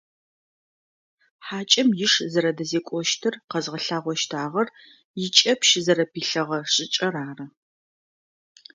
Хьакӏэм иш зэрэдэзекӏощтыр къэзгъэлъагъощтыгъэр икӏэпщ зэрэпилъэгъэ шӏыкӏэр ары.